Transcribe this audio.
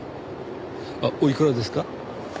あっおいくらですか？